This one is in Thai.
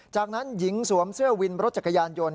จากนั้นหญิงสวมเสื้อวินรถจักรยานยนต์